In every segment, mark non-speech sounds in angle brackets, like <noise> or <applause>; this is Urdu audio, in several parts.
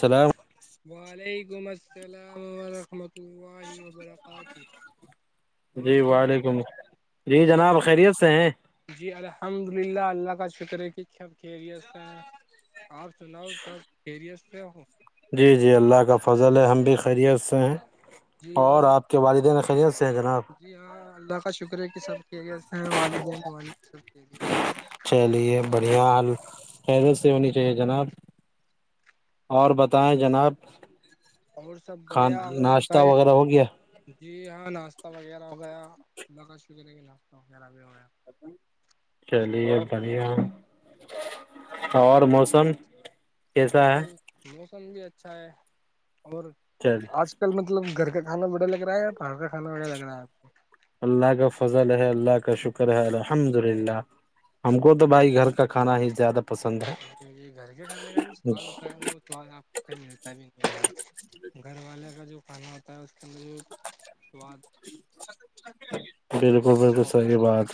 سلح وعلیکم السلام ورحمۃ اللہ وبرکاتہ جی اور جناب وعلیکم السلام جی سب جناب خیر؟ خیریت سے ہیں جی الحمد للہ اللہ کا شکرے کی خیریت ہیں آپ سناؤ سب کیریس سے ہو جی جی اللہ کا فضل ہے ہم بھی خیریت سے ہیں اور آپ کے والدین خیریت سے ہیں جناب جی ہاں اللہ کا شکر ہے کہ سب کی و سے ہیں والدین والد سب کی لی ہیں چلیے بڑھیا حال حیرت سے ہونی چاہیے جناب اور بتائیں جناب ہیں. اور سب کھانا بڑھیا اور ناشتہ بتائے وغیرہ ہو گیا جی ہاں ناشتہ وغیرہ ہو گیا اللہ کا شکر ہے کہ ناشتہ وغیرہ بھی ہو گیا چلیے بڑھیا اور موسم کیسا ہے موسم موسم بھی اچھا ہے اور چل ک مطل گھر کا کانا بڑا لگ رہا ہے یااہر کا کانا بڑا لگ رہا ہے آپ کو اللہ کا فضل ہے اللہ کا شکر ہے الحمد للہ ہم کو تو بھائی گھر کا کھانا ہی زیادہ پسند ہے گھر کے کھانے کا جو سواد ہوتا ہے وہ آپ ملتا بھی نہیں گھر والے کا جو کھانا ہوتا ہے اس کے اندر جو سواد بالکل اچھا بالکل ہوتا ہے صحیح بات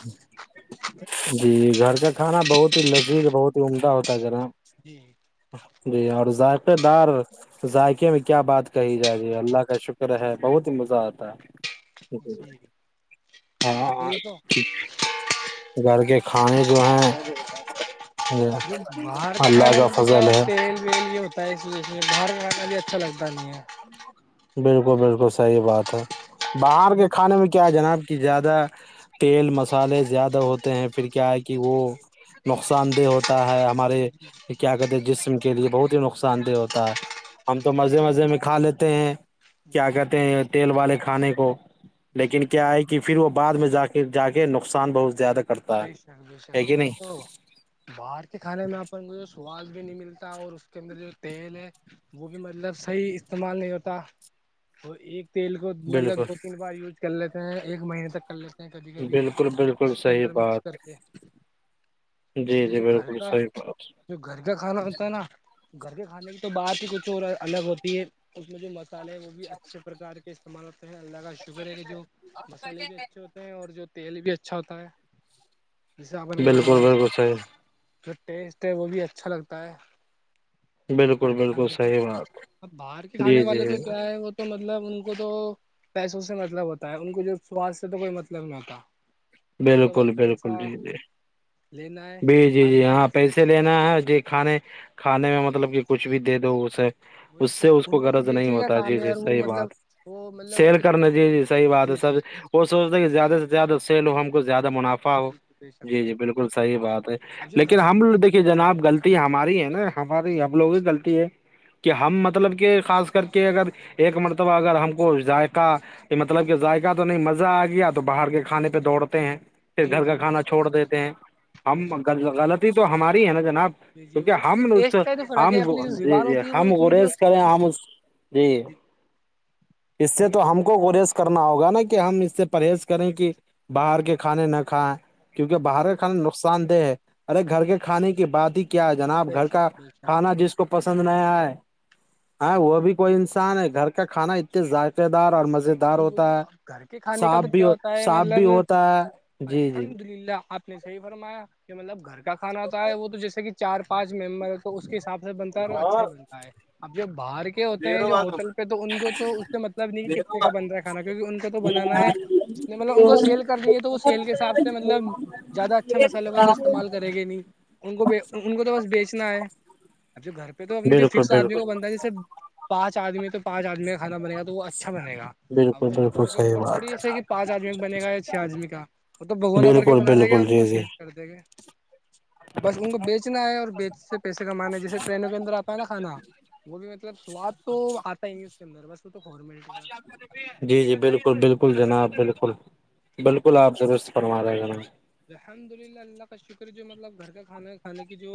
جی گھر کا کانا بہت ہی لذیذ بہت ہی عمدہ ہوتا ہے گرم جی جی اور ذائقے دار ذائقے میں کیا بات کہی جائےی اللہ کا شکر ہے بہت ہی مزہ آتا ہے جی ہاں وہی تو ٹھیک گھر کے کھانے جو ہیں م باہر کے اللہ کھانے کا میں کیا فضل ہے تیل ویل یہ ہوتا باہر کاکھانا بھی اچھا لگتا نہیں ہے بالکل بالکل صحیح بات ہے باہر کے کھانے میں کیا جناب کہ زیادہ تیل مسالحے زیادہ ہوتے ہیں پھر کیا ہے کہ وہ نقصان دہ ہوتا ہے ہمارے کیا کہتے جسم کے لیے بہت ہی نقصان دہ ہوتا ہے ہم تو مزے مزے میں کھا لیتے ہیں جی کیا کہتے ہیں تیل والے کھانے کو جی لیکن کیا ہے کہ پھر وہ بعد میں جا کے جا کے نقصان بہت زیادہ کرتے بے شک بےشک وہی تو باہر کے کھانے میں آپ پرھ سواد بھی نہیں ملتا اور اس کے اندر جو تیل ہے وہ بھی مطلب صحیح استعمال نہیں ہوتا وہ ایک تیل کو مطلب بالکل دو تین بار یوز کر لیتے ہیں ایک مہینے تک کر لیتے کبھی کبھی بالکل بالکل اس کے صحیح اندر میں بات کر کے اس جی لیے جی جو گھر بالکل کا صحیح بات جو گھر کا کھانا ہوتا ہے نا گھر کے کھانے کی تو بات ہی کچھ اور الگ ہوتی ہے اس میں جو مسالے ہیں وہ بھی اچھے پرکار کے استعمال ہوتے ہیں اللہ کا شگر ہے کہ جو مسالحے بھی اچھے ہوتے ہیں اور جو تیل بھی اچھا ہوتا ہے ج سے اپن کو جو بالکل مطلب بالکل صحیح جو ٹیسٹ ہے وہ بھی اچھا لگتا ہے بالکل گھر کے بالکل کھانے کا صحیح بات ا باہر کے کھانے جی جی والے تو کیا ہے وہ تو مطلب ان کو تو پیسوں سے مطلب ہوتا ہے ان کو جو سواستھ سے تو کوئی مطلب نہیں ہوتا ان کو تو بالکل بس بالکل پیسہ جی جی لینا ہے جی جی جی کھانے کا یہاں جو پیسے سواد لینا ہے جی کھانے کھانے میں مطلب کہ کچھ بھی دے دو اسے وہی اس سے تو اس ان کو تو غرض نہیں بیچنے کا ہوتا کام جی ہے جی یار وہ صحیح مطلب بات وہ مطلب وہ سیل کتنا کرنا جی جی صحیح بات جی ہے جی سر وہ سوچتا کہ زیادہ سے زیادہ سیل ہو ہم کو زیادہ منافع ہو جی بے شک جی بے جی شک وہی بالکل تو حیح بات ہے اب جو لیکن گھر ہم ل دیکھیے جی جناب غلط لطی ہماری ہے نا ہماری ہمب لوگوں کی غلط ہے کہ ہم مطلب کہ خاص کر کے اگر ایک مرتبہ اگر ہم کو ذائقہ کہ مطلب کہ ذائقہ تو نہیں مزہ آ گیا تو باہر کے کھانے پہ دوڑتے ہیں پھر جی گھر کا جی بے کھانا چھوڑ شک دیتے ہیں بے ہم شک غلطی تو ہماری ہے نا جناب جی جی وہ کیونکہ ہم لوگ تو ٹیسٹ کا فرق ہم ہے اپنی جو جی زبان جی ہوتی ہے وہ ہم اتنی جو گریز کریں سوادشٹ ہم جی اس سے تو ہم کو گریز کرنا ہوگا نا کہ ہم اس سے پرہیز کریں کہ جی باہر کے کھانے نہ کھائیں کیونکہ باہر یہ کے تو کھانے لوگ نقصان دہ ہے ارے گھر کے کھانے کی بات ہی کیا ہے جناب بے گھر شک کا بے شک کھانا جس کو پسند نہیں آئے ہاں وہ بھی کوئی انسان ہے گھر کا کھانا اتنے ذائقے دار اور مزیدار جی وہی تو گھر کے کھانے کا تو کیا ہوتا ہے صاف بھی مطلب ہوتا ہے جی جی الحمد للہ آپ نے صحی فرمایا کہ مطلب گھر کا کھا ہوتا ہے وہ تو جیسے کہ چار پانچ ممبر تو اس کے حساب سے بنتا اچھا ملتا ہے اب جو باہر کے ہوتے ہیں جو ہوٹل پہ تو ان کو تو اس سے مطلب نہیں کہ ک کا بن رہا ہے کھانا کیونکہ ان کا تو بنانا ہے مطلب ان کو سیل کرنی ہے تو وہ سیل کے حساب سے مطلب زیادہ اچھا مسالے کا تو استعمال کر گے نہیں ان کو ان کو تو بس بیچنا ہے اب جو گھر پہ پھر تو اپنے جو بالکل فکس آدمی بالکل کو بنتا جیے پانچ آدمی تو پانچ آدمی کا کھانا بنے گا تو وہ اچھا بنے گا ا بالکل وہ بالکل ہوٹلوں کے صحیح اوپر تھوڑی بات ایسے کہ پانچ آدمی کا بنے گا یا چھ آدمی کا وہ تو ہے بگونا بور کے بالکل بنا دے گے بالکل اور ان جی کو جی سیو کر دیں گے بس ان کو بیچنا ہے اور بیچ سے پیسے کمانا ہے جیسے ٹرینوں کے اندر آ تاہے نا کھانا وہ بھی مطلب سواد تو آتا ہی نہیں اس کے اندر بس وہ تو فارمیلٹی ہے جی جی بالکل بالکل جناب بالکل بالکل آپ ررست فرما رہے ہیں ن الحمد للہ اللہ کا شکر جو مطلب گھر کا کھانا کھانے کی جو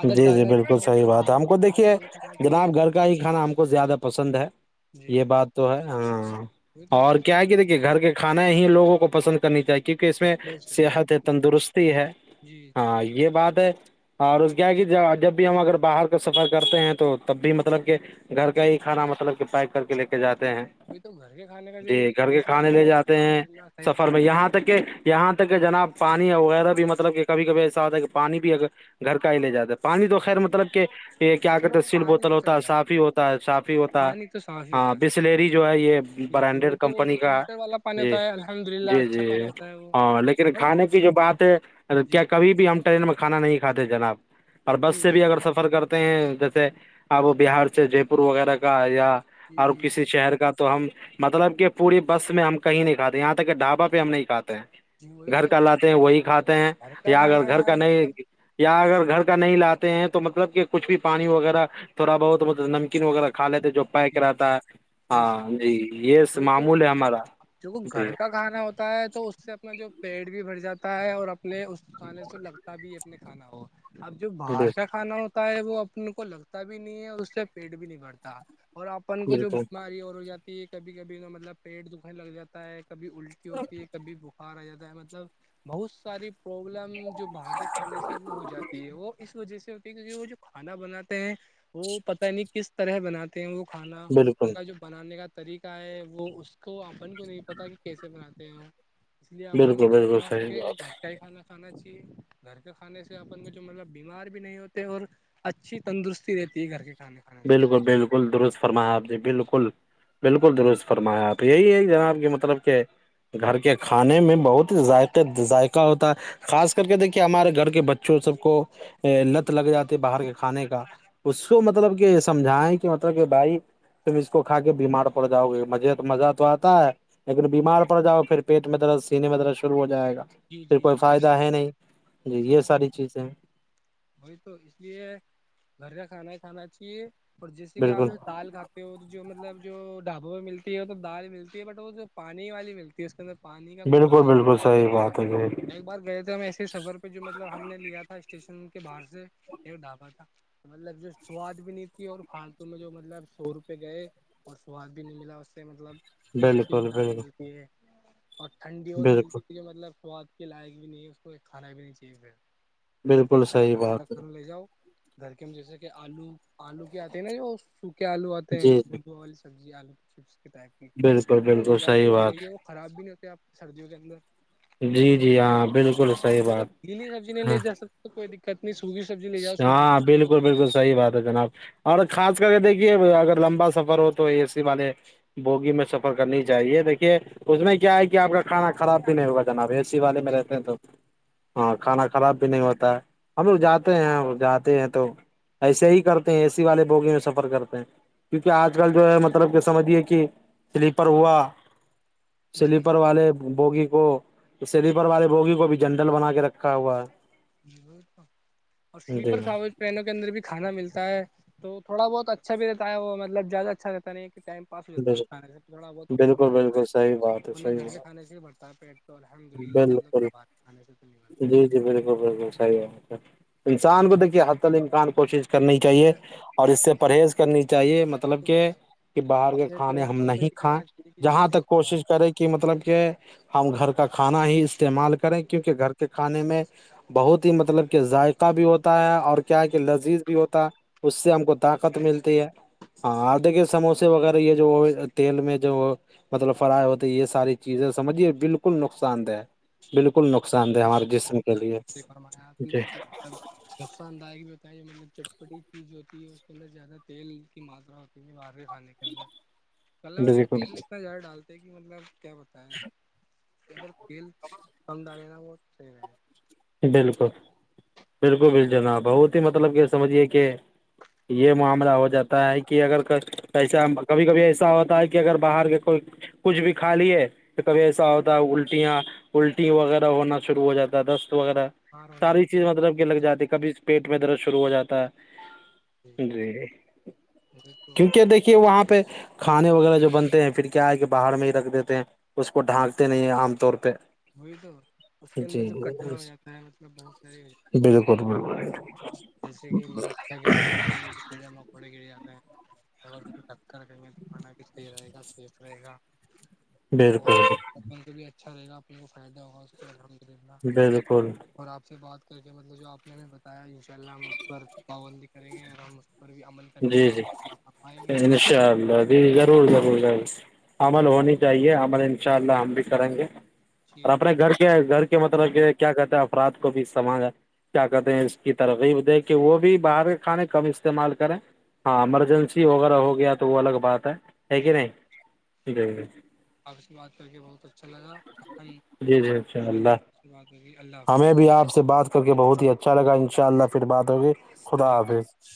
عادت جی جی ڈالنا بالکل چاہیے ہمیں صحیح یہ بات ہے باہر ہم کے کو کھانا دیکھیے نہیں کھانا چاہیے جناب گھر کا ہی کھانا ہم کو زیادہ پسند ہے جی یہ بات تو ہے ہاں وہ تو اور گھر پہ کیا ہے کہ کھانا دیکھیے گھر کے کھانے یہ لوگوں کو پسند کرنی چاہیے کیونکہ اس میں بہت صحت ہے تندرستی ہے جی جی ہاں یہ بات ہے اور اس کیا کہ جب بھی ہم اگر باہر کا سفر کرتے ہیں تو تب بھی مطلب کہ گھر کا ہی کھانا مطلب کہ پیک کر کے لے کے جاتے ہیں وہی تو گھر کے کھانے کا جو جی گھر کے ٹیسٹ کھانے ہوتا ہے لے جاتے الحمد ہیں للہ صحیح ہوتا سفر میں یہاں تک کہ یہاں تک کہ جناب پانی وغیرہ بھی مطلب کہ کبھی کبھی ایسا ہوتا ہے کہ پانی بھی اگر گھر کے ہیے جاتے پانی تو خیر ہے۔ مطلب کہ یہ کیا چلو کہتے ہیں سیل پانی بوتل تو چل ہوتا ہے جاتا صاف ہی ہوتا ہے صاف ہی ہوتا ہے پانی تو صاف ہی ہاں ہوتا ہے بسلری جو ہے یہ جی جی وہ برانڈیڈ تو وہ کمپنی تو کا فلٹر والا پانی جی ہوتا ہے الحمد للہ جی اچھا جی پانی ہوتا ہے وہ ہاں لیکن اور وہ کھانے کی جو بات ہے جی کیا کبھی بھی ہم ٹرین میں کھانا نہیں کھاتے جناب اور بس جی سے بھی جی اگر سفر کرتے ہیں جیسے اب وہ بہار سے جے پور وغیرہ کا یا جی اور جی کسی جی شہر کا تو ہم مطلب کہ پوری بس میں ہم کہیں نہیں کاتے یہاں تک کہ ڈھابا پہ ہم نہیں کاتے جی ہیں وہی گھر تو کا لاتے ہیں وہی کھاتے ہیں گھر کا یا اگر کھانا گھر یار کا نہیں مطلب یا اگر گھر کا نہیں لاتے ہیں تو مطلب کچھ بھی پانی وغیرہ تھوڑا بہت ملب نمکین وغیرہ کھا لیتے جو پیک رہتا بے شک ہاں جی یہ وہی تو معمول ہے ہمارا جو جی گھر کا کھانا ہوتا ہے تو اس سے اپنا جو پیڑ بھی بھر جاتا ہے اور اپنے اس کھانے سے لگتا بھی اپنے کھانا ہو <unintelligible> اب جو باہر کا کھانا ہوتا ہے وہ اپن کو لگتا بھی نہیں ہے اور اس سے پیٹ بھی نہیں بھرتا اور اپن کو جو بالکل بیماری اور ہو جاتی ہے کبھی کبھی ن مطلب پیٹ دکھان لگ جاتا ہے کبھی الٹی ہوتی ہے کبھی بخار آ جاتا ہے مطلب بہت ساری جو باہر کے کھانے سے وہ ہو جاتی ہے وہ اس وجہ سے کیونکہ وہ جو کھانا بناتے ہیں وہ پتتا نہیں کس طرح بناتے ہیں وہ کھانا ان بالکل کا جو بنانے کا طریقہ ہے وہ اس کو اپن کو نہیں پتا کہ کیسے بناتے ہیں اس لیے اپن بالکل کو بالکل جتنا ہو صحیح سکے بات۔ جو گھر کا ہی کھانا کھانا چاہیے گھر کھانے سے اپن کو جو مطلب بیمار بھی نہیں ہوتے اور اچھی تندرستی رہتی ہے گھر کے کھانے کھانے سے بالکل بالکل درست فرما آپ جی بالکل بالکل درست فرمایا آپ یہی ہے جناب کہ مطلب کہ گھر کے کھانے میں بہت ذائقے ذائقہ ہوتا ہے خاص کر کے دیکھیے ہمارے گھر کے بچوں سب کو لت لگ جاتی ہے باہر کے کھانے کا اس کو مطلب کہ سمجھائیں کہ مطلب کہ بھائی تم اس کو کھا کے بیمار پڑ جاؤ گے مزے مزہ تو آتا ہے لیکن بیمار پڑ جاؤ پھر پیٹ میں درد سینے میں درد شرع ہو جائے گا جی پھر جی کوئی جی بے فائدہ شک ہے نہیں بے جی یہ شک ساری چیزیں وہی تو اس لیے گھر کا کھانا ہی کھانااہیے اور جیسے کہ آپ بالکل دال کھاتے جو مطلب جو ڈھابوں ملتی ہے وہ تو دال ملتی ہے بٹ وہ جو پانی والی ملتی ت اسر پانی کا کچھ بالکل زیادہ ہی بالکل ماترا صحی بات ہے جی ایک بار گئے تھے ہم ایسے سفر پہ جو مطلب ہم نے لیا تھا اسٹیشن کے باہر سے ایک ڈھابہ تھا مطلب جو سواد بھی نہیں تھی اور فالتو میں جو مطلب سو روپئے گئے اور سواد بھی نہیں ملا اس سے مطلب پھیک کسی کی بالکل دال بالکل ملتی ہے اور ٹھنڈی اور بالکل ملتی ت جو مطلب خواد کے لائق بھی نہیں ہے اس کو ایک کھانا بھی نہیں چاہیے اس سے بالکل اچھا آپ صحیح گھر تک بات ہے گھروں لے جاؤ گھر کے جیسے کہ آلو آلو کے آتے ہیں نا جو سوکھے آلو آتے ہیں جی جی گودوا والی سبزی آلو چپس کے ٹائپ کی بالکل وہ لے بالکل جاؤ وہ بات صحیح ہے خراب بھی نہیں ہوتے آپ سردیوں کے اندر جی جی ہاں بالکل صحیح چلو بات گیلی سبزی نہیں ہاں لے جا سکتے کوئی دقت نہیں سوگی ہاں بالکل بالکل صحیح بات ہے جناب اور خاص کر کے دیکھیے اگر لمبا سفر ہو تو اے سی والے بوگی میں سفر کرنی چاہیے دیکھیے اس میں کیا ہے کہ آپ کا کھانا خراب بھی نہیں ہوگا جناب اے سی والے میں رہتے ہیں تو ہاں کھانا خراب بھی نہیں ہوتا ہے ہم لوگ جاتے ہیں جاتے ہیں تو ایسے ہی کرتے ہیں اے سی والے بوگی میں سفر کرتے ہیں کیونکہ آج کل جو ہے مطلب کہ سمجھیے کہ سلیپر ہوا جی سلیپر والے بوگی کو سلیپر والے بوگی کو بھی جنڈل بنا کے رکھا ہوا ہے ج اور جی سلیپر کا رینوں کے اندر بھی کھانا ملتا ہے تو تھوڑا بہت اچھا رہتا ہے وہ مطلب زیادہ اچھا رہتا نہیں ہے ٹائم اس ہوتا ہے اس بالکل کھے سے تھوڑا بہت پیٹ بھر بالکل جاتا بالکل ہے صحیح بات ہے ورن صحیح گھر بات کے کھانے سے ہی بھرھتا ہے پیٹ تو الحمد للہ مطلب بالکل باہ کھانے سے تو نکل جی جی بالکل بالکل صحیح ہے انسان کو دیکھیے ح ال امکان کوشش کرنی چاہیے بڑھتا اور اس سے پرہیز کرنی چاہیے مطلب کہ کہ باہر کے اپنے کھانے ہم دوستوں سے نہیں بھی کھائیں کہنا چاہیے کہ جہاں مطلب تک باہر کوشش کریں کہ کہ مطلب کہ ہم گھر کا کھانا ہی استعمال کریں کیونکہ گھر کے کھانے میں بہت ہی مطلب کہ ذائقہ بھی ہوتا ہے اور کیا کہ لذیذ بھی ہوتا ہے اس سے ہم کو طاقت ملتی ہے ہاں آدے کے سموس سے وغیرہ یہ جو تیل میں جو مطلب فراہائے ہوتے ہے یہ ساری چیزیں سمجھیے بالکل نقصان دہ بالکل نقصان دہ ہمارے جسم کے لیے بے فرمایا آپ نے جی کہ جو مطلب نقصان دائک بھی ہوتا ہے یہ مطلب چٹپٹی چی جو ہوتی ہے اس کے اندر زیادہ تیل کی ماترا ہوتی ہے باہر کے کھانے کے کل وہ بالکل تیل اتنا زیادہ ڈالتے کہ مطلب کیا بتا ہے گر تل کم ڈالینا ب صحیح ہے بالکل بالکل ب جناب بہت مطلب یہ سمجھیے کہ یہ معاملہ ہو جاتا ہوتا ہے کہ اگر ایسا کبھی کبھی ایسا ہوتا ہے کہ اگر باہر کے کوئی کچھ بھی کھا لی ہے کہ کبھی ایسا ہوتا ہے الٹیاں الٹی وغیرہ ہونا شروع ہو جاتا ہے دس وغیرہ بیمار ہونے کا ساری بھی چیز مطلب بہت کہ لگ جاتی کبھی پیٹ میں درد شروع ہو جاتا ہے جی وہی تو کیونکہ دیکھیے وہاں پہ کھانے وغیرہ جو بنتے ہیں پھر کیائے کہ باہر میں ہی رکھ دیتے ہیں اس کو ڈھانکتے نہیں عام طور پہ وہی تو اس کے اندر جو کچرا ہو جی جاتا ہے مطلب بہت ساری اور میں ب <unintelligible> جیسے کہ مکا گر جاتی ہیں کیڑے مکوڑے گر جاتے ہیں اگر ت کو ڈٹک کر رہیں گے تو کانا بھی صحیح رہے گا سیف رہے گا اور بالکل اپن کو بھی اچھا رہے گا اپنے کو فائدہ ہوگا اس کے الحمد للہ بالکل اور آپ سے بات کر کے مطلب جو آپ نے ہم نے بتایا ہی پہ ہم اس پر پابندی کریں گے اور ہم اس پر بھی عمل کرنے جی کی جی فرمائیں گے انشاء اللہ جی ضرور ضرور ضرور عمل ہونی چاہیے عمل ان شاء اللہ ہم بھی کریں گے جی اور جی اپنے آپ گھر کے گھر کے مطلب کہ کیا کہتے ہیں افراد کو بھی سمجا کیا کہتے ہیں اس کی ترغیب دے کے وہ بھی باہر کے کھانے کم استعمال کریں ہاں ایمرجنسی وغیرہ ہو گیا تو وہ الگ بات ہے ہے کہ نہیں جی جی آپ سے بات کر کے بہت اچھا لگا ہم ان جی جی انشاء شاء اللہ آپ سے بات ہوگی اللہ حافظ ہمیں بھی آپ سے بات کیکہ بہت ہی اچھا لگا ان شاء اللہ پھر بات ہوگئی خدا حافظ